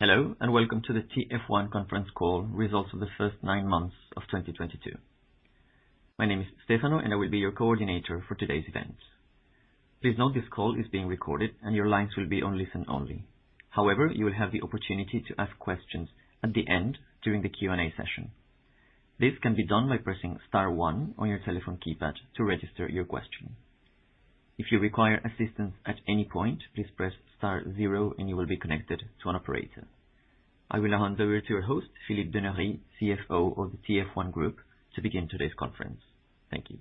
Hello, and Welcome to the TF1 Conference Call results of the first nine months of 2022. My name is Stefano, and I will be your coordinator for today's event. Please note this call is being recorded, and your lines will be on listen only. However, you will have the opportunity to ask questions at the end during the Q&A session. This can be done by pressing star one on your telephone keypad to register your question. If you require assistance at any point, please press star zero and you will be connected to an operator. I will now hand over to your host, Philippe Denery, CFO of the TF1 Group, to begin today's conference. Thank you.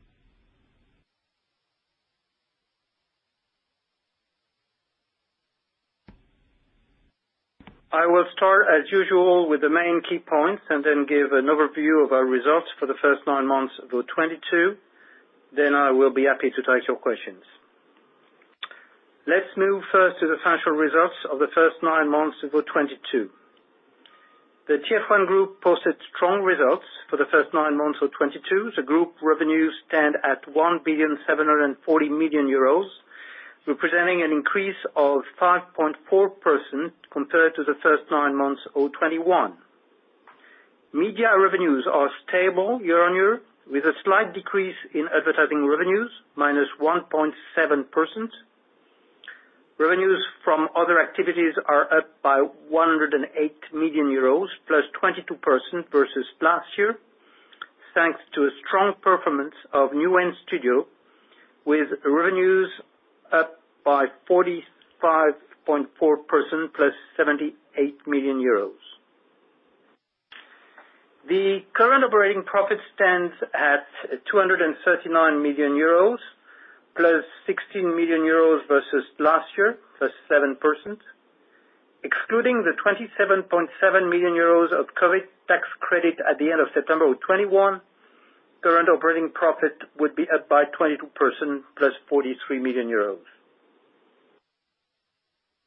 I will start as usual with the main key points and then give an overview of our results for the first nine months of 2022. I will be happy to take your questions. Let's move first to the financial results of the first nine months of 2022. The TF1 Group posted strong results for the first nine months of 2022. The Group revenues stand at 1,740 million euros, representing an increase of 5.4% compared to the first nine months of 2021. Media revenues are stable year-on-year, with a slight decrease in advertising revenues, -1.7%. Revenues from other activities are up by 108 million euros +22% versus last year, thanks to a strong performance of Newen Studios, with revenues up by 45.4% +EUR 78 million. The current operating profit stands at 239 million euros, + 16 million euros versus last year, +7%. Excluding the 27.7 million euros of COVID tax credit at the end of September 2021, current operating profit would be up by 22%, + 43 million euros.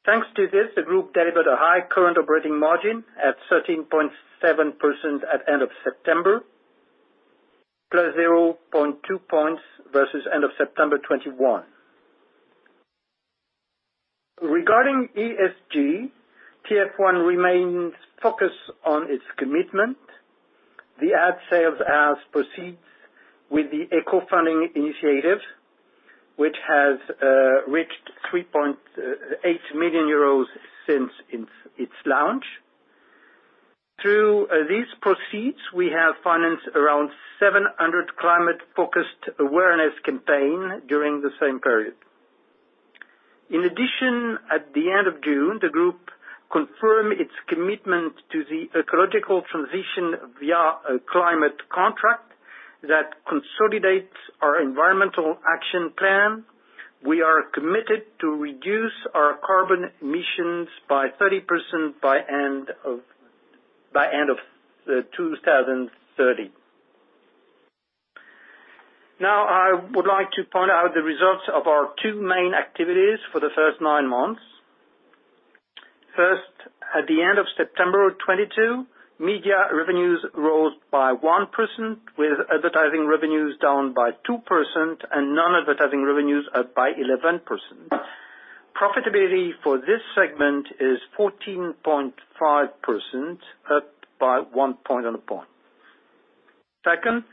Thanks to this, the group delivered a high current operating margin at 13.7% at end of September, +0.2 points versus end of September 2021. Regarding ESG, TF1 remains focused on its commitment. The AdSales ad proceeds with the EcoFunding initiative, which has reached 3.8 million euros since its launch. Through these proceeds, we have financed around 700 climate-focused awareness campaign during the same period. In addition, at the end of June, the group confirmed its commitment to the ecological transition via a climate contract that consolidates our environmental action plan. We are committed to reduce our carbon emissions by 30% by end of 2030. Now, I would like to point out the results of our two main activities for the first nine months. First, at the end of September of 2022, media revenues rose by 1%, with advertising revenues down by 2% and non-advertising revenues up by 11%. Profitability for this segment is 14.5%, up by one point on a point. Second,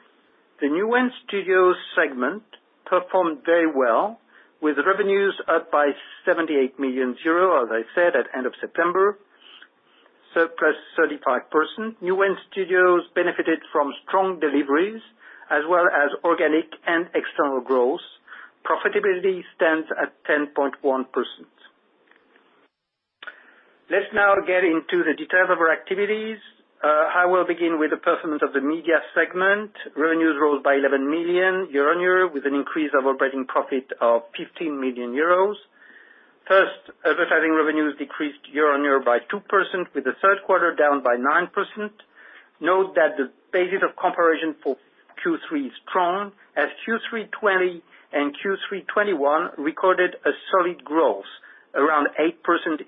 the Newen Studios segment performed very well, with revenues up by 78 million euro, as I said, at end of September, so +35%. Newen Studios benefited from strong deliveries as well as organic and external growth. Profitability stands at 10.1%. Let's now get into the details of our activities. I will begin with the performance of the media segment. Revenues rose by 11 million year-on-year with an increase of operating profit of 15 million euros. First, advertising revenues decreased year-on-year by 2%, with the third quarter down by 9%. Note that the basis of comparison for Q3 is strong, as Q3 2020 and Q3 2021 recorded a solid growth around 8%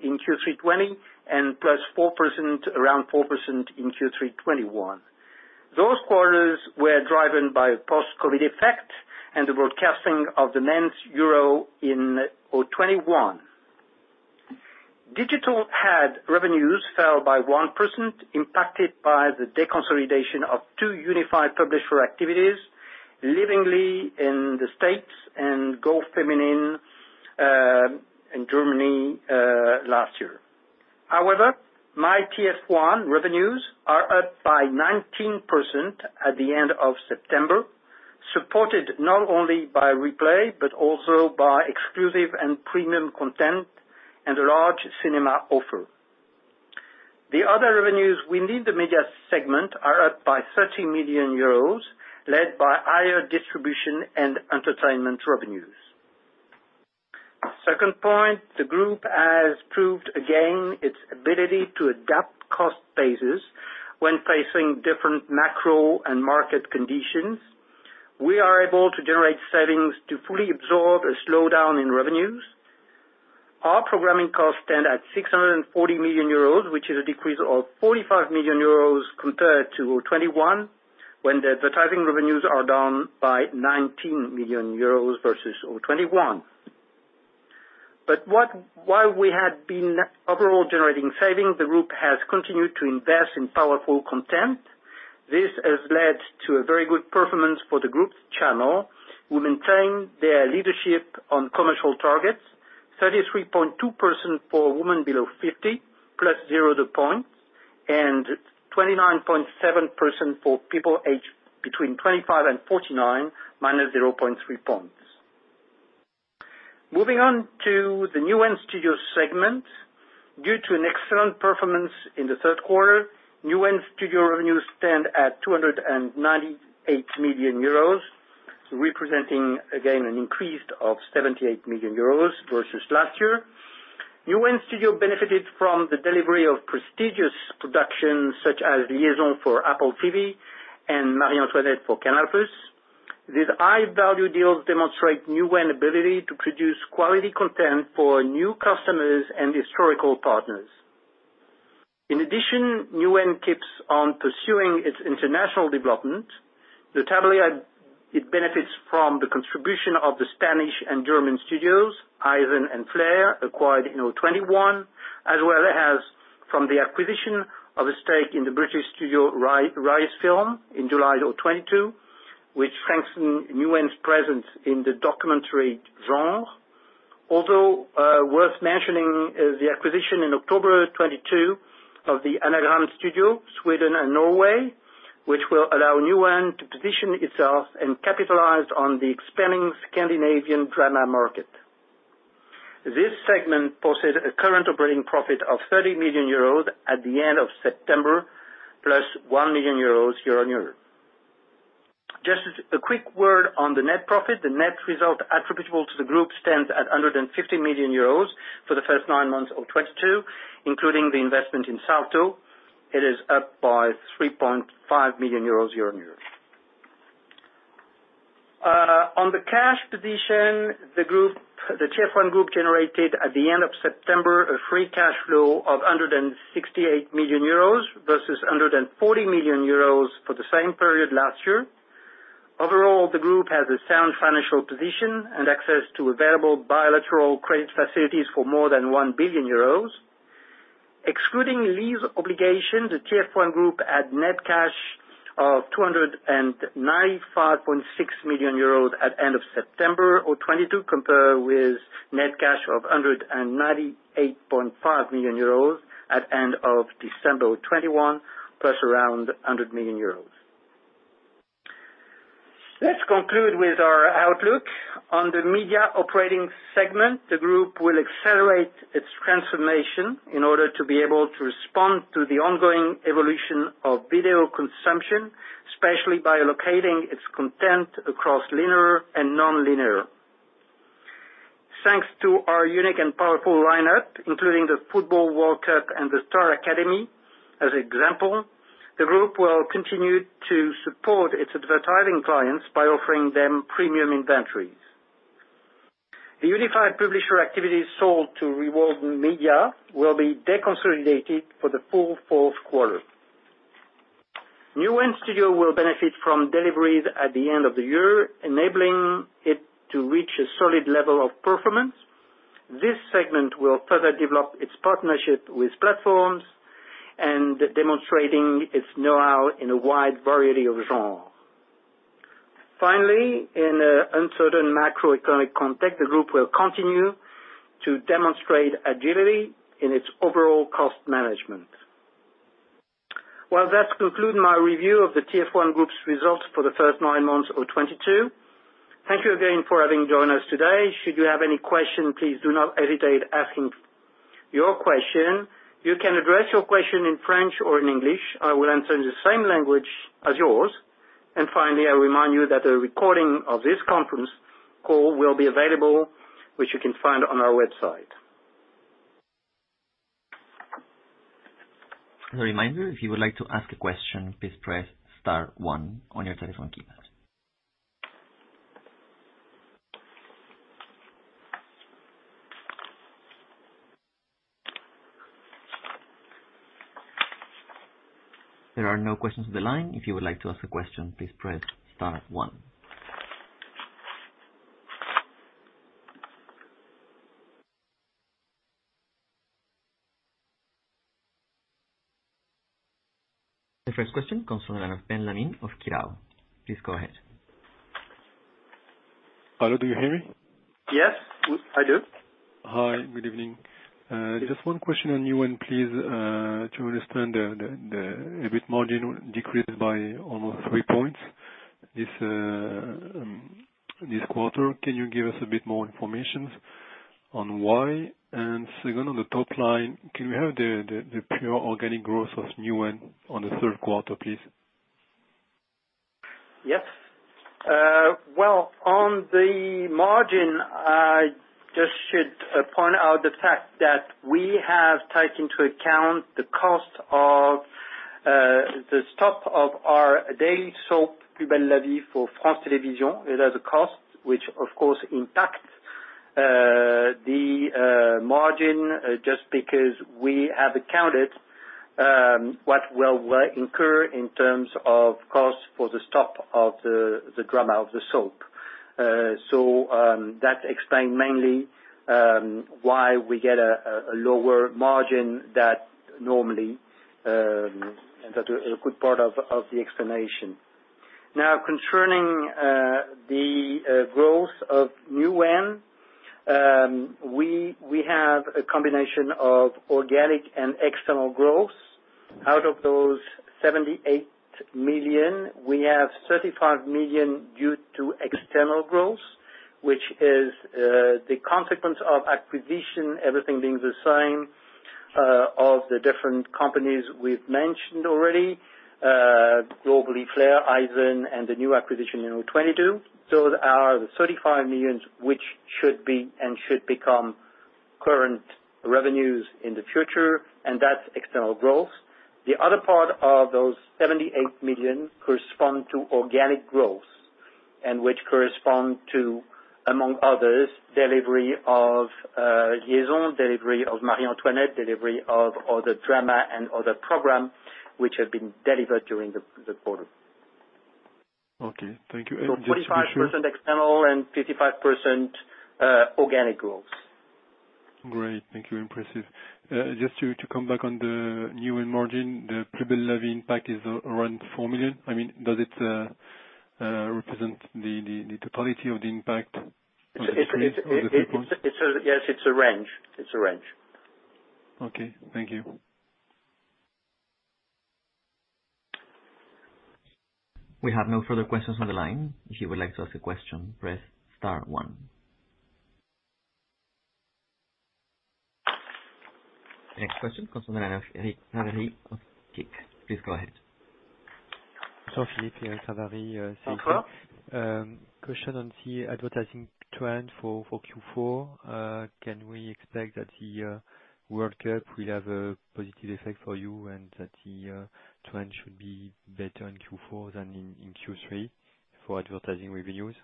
in Q3 2020 and +4%, around 4% in Q3 2021. Those quarters were driven by post-COVID effect and the broadcasting of the men's Euro in 2021. Digital ad revenues fell by 1%, impacted by the deconsolidation of two Unify Publisher activities, Livingly in the States and gofeminin.de in Germany last year. However, MYTF1 revenues are up by 19% at the end of September, supported not only by replay, but also by exclusive and premium content and a large cinema offer. The other revenues within the media segment are up by 30 million euros, led by higher distribution and entertainment revenues. Second point, the group has proved again its ability to adapt cost bases when facing different macro and market conditions. We are able to generate savings to fully absorb a slowdown in revenues. Our programming costs stand at 640 million euros, which is a decrease of 45 million euros compared to 2021, when the advertising revenues are down by 19 million euros versus 2021. While we had been overall generating savings, the group has continued to invest in powerful content. This has led to a very good performance for the group's channel, which maintains its leadership on commercial targets, 33.2% for women below 50, +0 points, and 29.7% for people aged between 25 and 49, -0.3 points. Moving on to the Newen Studios segment. Due to an excellent performance in the third quarter, Newen Studios revenues stand at 298 million euros, representing a gain of 78 million euros versus last year. Newen Studios benefited from the delivery of prestigious productions such as Liaison for Apple TV+ and Marie Antoinette for Canal+. These high value deals demonstrate Newen Studios' ability to produce quality content for new customers and historical partners. In addition, Newen Studios keeps on pursuing its international development. Notably, it benefits from the contribution of the Spanish and German studios, iZen and Flare Film, acquired in 2021, as well as from the acquisition of a stake in the British studio Rise Films in July 2022, which strengthened Newen's presence in the documentary genre. Although worth mentioning is the acquisition in October 2022 of the Anagram Studio, Sweden and Norway, which will allow Newen to position itself and capitalize on the expanding Scandinavian drama market. This segment posted a current operating profit of 30 million euros at the end of September, + 1 million euros year-over-year. Just a quick word on the net profit. The net result attributable to the group stands at 150 million euros for the first nine months of 2022, including the investment in Salto. It is up by 3.5 million euros year-over-year. On the cash position, the group, the TF1 Group generated at the end of September a free cash flow of 168 million euros versus 140 million euros for the same period last year. Overall, the group has a sound financial position and access to available bilateral credit facilities for more than 1 billion euros. Excluding lease obligations, the TF1 Group had net cash of 295.6 million euros at end of September 2022, compared with net cash of 198.5 million euros at end of December 2021, + around 100 million euros. Let's conclude with our outlook. On the media operating segment, the group will accelerate its transformation in order to be able to respond to the ongoing evolution of video consumption, especially by locating its content across linear and nonlinear. Thanks to our unique and powerful lineup, including the FIFA World Cup and the Star Academy as example, the group will continue to support its advertising clients by offering them premium inventories. The Unify Publisher activities sold to Reworld Media will be deconsolidated for the full fourth quarter. Newen Studios will benefit from deliveries at the end of the year, enabling it to reach a solid level of performance. This segment will further develop its partnership with platforms and demonstrating its knowhow in a wide variety of genre. Finally, in an uncertain macroeconomic context, the group will continue to demonstrate agility in its overall cost management. Well, that concludes my review of the TF1 Group's results for the first nine months of 2022. Thank you again for having joined us today. Should you have any questions, please do not hesitate asking your question. You can address your question in French or in English. I will answer in the same language as yours. Finally, I remind you that a recording of this conference call will be available, which you can find on our website. As a reminder, if you would like to ask a question, please press star one on your telephone keypad. There are no questions on the line. If you would like to ask a question, please press star one. The first question comes from the line of Saad Benlamine of Kirao. Please go ahead. Hello, do you hear me? Yes, I do. Hi, good evening. Just one question on Newen, please, to understand the EBITDA margin decreased by almost three points this quarter. Can you give us a bit more information on why? Second, on the top line, can we have the pure organic growth of Newen on the third quarter, please? Yes. Well, on the margin, I just should point out the fact that we have taken into account the cost of the stop of our daily soap, Plus belle la vie for France Télévisions. It has a cost, which of course impacts the margin just because we have what will incur in terms of cost for the stop of the drama of the soap. That explains mainly why we get a lower margin than normal, that's a good part of the explanation. Now, concerning the growth of Newen, we have a combination of organic and external growth. Out of those 78 million, we have 35 million due to external growth, which is the consequence of acquisition, everything being the same, of the different companies we've mentioned already. Globally, Flare, iZen, and the new acquisition in 2022. Those are the 35 million, which should become current revenues in the future, and that's external growth. The other part of those 78 million corresponds to organic growth, which corresponds to, among others, delivery of Liaison, delivery of Marie Antoinette, delivery of other drama and other program which have been delivered during the quarter. Okay. Thank you. Just to be sure. 55% external and 55% organic growth. Great. Thank you. Impressive. Just to come back on the Newen margin, the Plus belle la vie impact is around 4 million. I mean, does it represent the totality of the impact or the increase or the purpose? Yes, it's a range. It's a range. Okay. Thank you. We have no further questions on the line. If you would like to ask a question, press star one. Next question comes from Eric Ravary of CIC. Please go ahead. Philippe, Eric Ravary,. Bonsoir. Question on the advertising trend for Q4. Can we expect that World Cup will have a positive effect for you and that the trend should be better in Q4 than in Q3 for advertising revenues?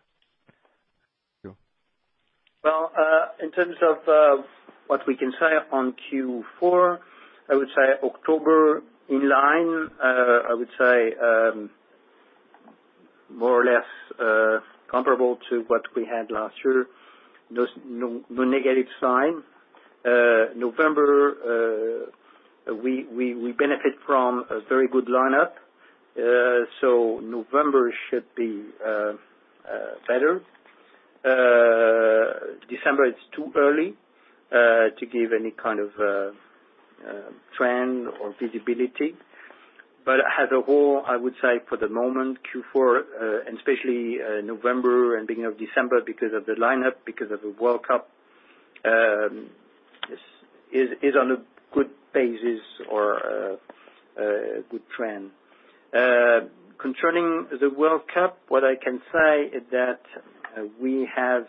Thank you. Well, in terms of what we can say on Q4, I would say October in line. I would say, more or less, comparable to what we had last year. No negative sign. November, we benefit from a very good lineup. November should be better. December, it's too early to give any kind of trend or visibility. As a whole, I would say for the moment, Q4, and especially, November and beginning of December, because of the lineup, because of the World Cup, is on a good basis or good trend. Concerning the World Cup, what I can say is that we have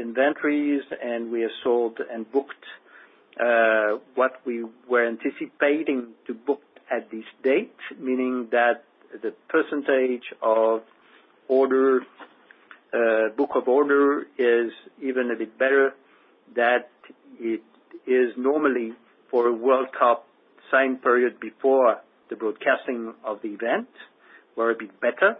inventories and we have sold and booked what we were anticipating to book at this date. Meaning that the percentage of order book of order is even a bit better that it is normally for a World Cup same period before the broadcasting of the event were a bit better.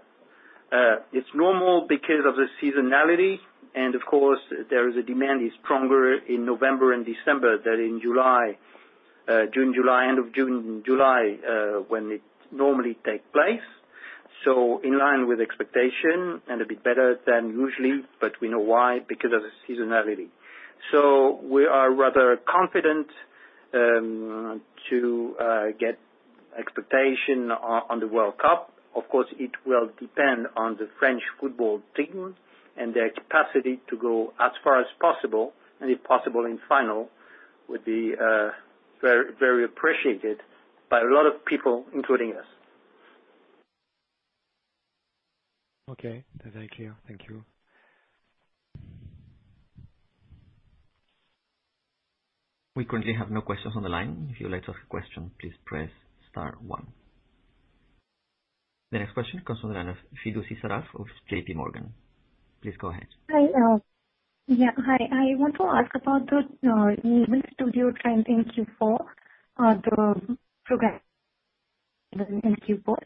It's normal because of the seasonality, and of course, the demand is stronger in November and December than in July, June, July, end of June, July, when it normally take place. In line with expectation and a bit better than usually, but we know why, because of the seasonality. We are rather confident to meet expectations on the World Cup. Of course, it will depend on the French football team and their capacity to go as far as possible, and if possible in final, would be very, very appreciated by a lot of people, including us. Okay. That's very clear. Thank you. We currently have no questions on the line. If you would like to ask a question, please press star one. The next question comes from Sidharth Shroff of JPMorgan. Please go ahead. Hi, yeah. Hi. I want to ask about the Newen Studios trend in Q4. The progress in Q4.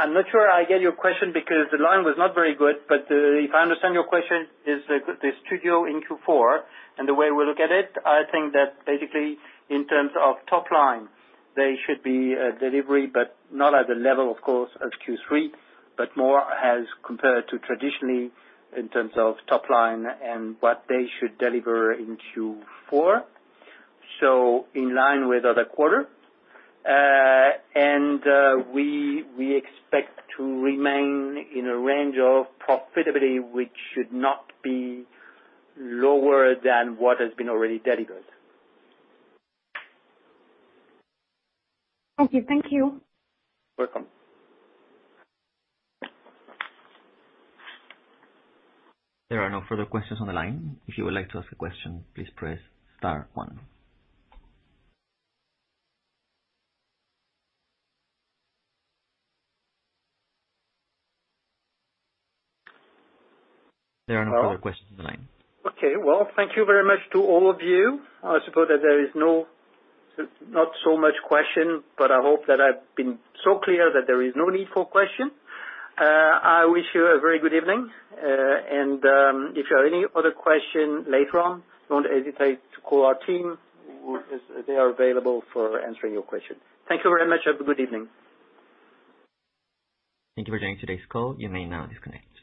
I'm not sure I get your question because the line was not very good. If I understand, your question is the Studio in Q4. The way we look at it, I think that basically in terms of top line, they should be a delivery, but not at the level, of course, as Q3, but more as compared to traditionally in terms of top line and what they should deliver in Q4. In line with other quarter. We expect to remain in a range of profitability, which should not be lower than what has been already delivered. Thank you. Thank you. Welcome. There are no further questions on the line. If you would like to ask a question, please press star one. There are no further questions on the line. Okay. Well, thank you very much to all of you. Not so much question, but I hope that I've been so clear that there is no need for question. I wish you a very good evening. If you have any other question later on, don't hesitate to call our team. They are available for answering your questions. Thank you very much. Have a good evening. Thank you for joining today's call. You may now disconnect.